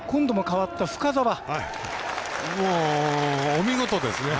お見事ですね。